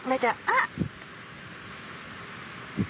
あっ！